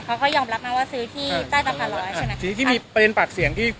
เขาเขายอมรับมาว่าซื้อที่อืมใช่ไหมอ่าทีนี้ที่มีประเด็นปากเสียงที่